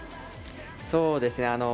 そうですね。